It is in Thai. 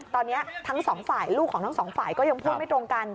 ตอนนี้ลูกของทั้งสองฝ่ายก็ยังพูดไม่ตรงกัน